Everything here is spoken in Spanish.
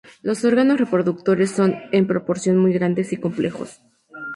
Los órganos reproductores son en proporción muy grandes y complejos.